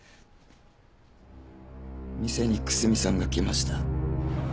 店に楠見さんが来ました。